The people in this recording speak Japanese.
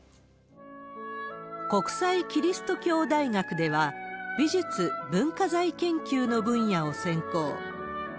国際基督教大学では、美術・文化財研究の分野を専攻。